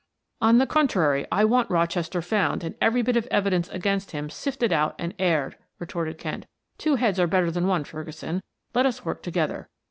"On the contrary I want Rochester found and every bit of evidence against him sifted out and aired," retorted Kent. "Two heads are better than one, Ferguson; let us work together.